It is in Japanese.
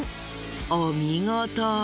お見事。